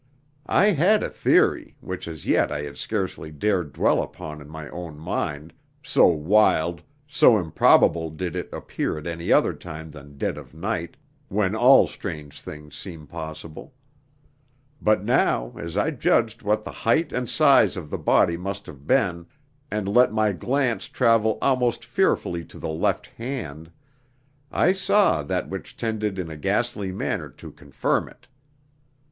I had a theory, which as yet I had scarcely dared dwell upon in my own mind, so wild, so improbable did it appear at any other time than dead of night, when all strange things seem possible. But now, as I judged what the height and size of the body must have been, and let my glance travel almost fearfully to the left hand, I saw that which tended in a ghastly manner to confirm it.